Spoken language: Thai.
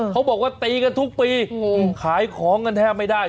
เขาบอกว่าตีกันทุกปีขายของกันแทบไม่ได้